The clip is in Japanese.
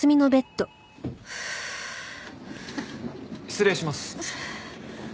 失礼します。